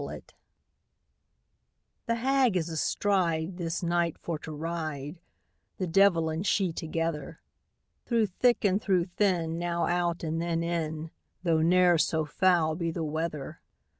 THE HAG The Hag is astride, This night for to ride, The devil and she together; Through thick and through thin, Now out, and then in, Though ne'er so foul be the weather.